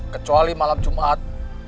kecuali malam jumat